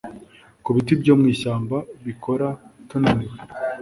ku biti byo mu ishyamba bikora tunaniwe